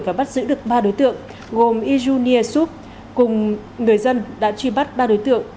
và bắt giữ được ba đối tượng gồm ijunie ersup cùng người dân đã truy bắt ba đối tượng